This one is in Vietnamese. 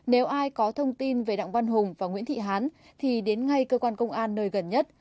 nếu ai có thông tin về đặng văn hùng và nguyễn thị hán thì đến ngay cơ quan công an nơi gần nhất